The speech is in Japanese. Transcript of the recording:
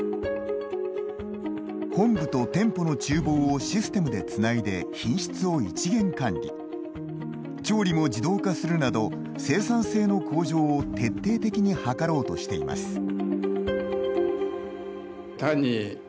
本部と店舗の厨房をシステムでつないで品質を一元管理調理も自動化するなど生産性の向上を徹底的に図ろうとしています。